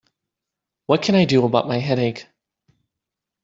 What can I do about my headache?